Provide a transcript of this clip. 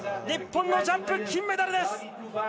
日本のジャンプ、金メダルです。